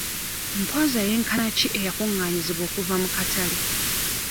Mpooza yenkana ki eyakungaanyizibwa okuva mu katale?